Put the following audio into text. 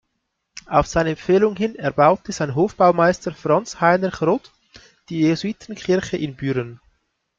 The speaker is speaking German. Auf seine Empfehlung hin erbaute sein Hofbaumeister Franz Heinrich Roth die Jesuitenkirche in Büren.